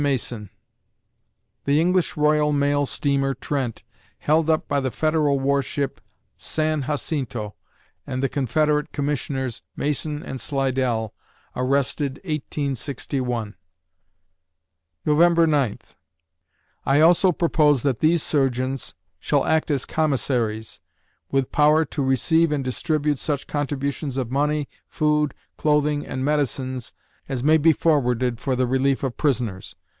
MASON _The English Royal Mail steamer "Trent" held up by the Federal war ship "San Jacinto" and the Confederate commissioners, Mason and Slidell, arrested, 1861_ November Ninth I also propose that these surgeons shall act as commissaries, with power to receive and distribute such contributions of money, food, clothing, and medicines as may be forwarded for the relief of prisoners.